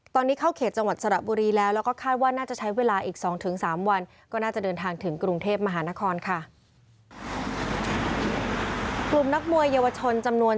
ตอนนี้เข้าเขตจังหวัดสระบุรีแล้วก็คาดว่าน่าจะใช้เวลาอีก๒๓วัน